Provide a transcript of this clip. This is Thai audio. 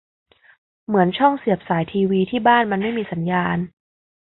เหมือนช่องเสียบสายทีวี ที่บ้านมันไม่มีสัญญาณ